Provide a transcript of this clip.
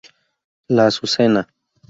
La azucena.